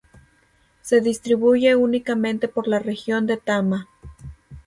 Se distribuye únicamente por la región de Tama.